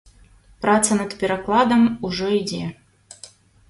Праца над перакладам ужо ідзе.